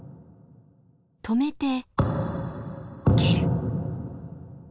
止めて蹴る。